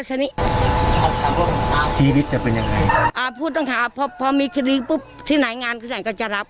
ส่วนเจ็บครับ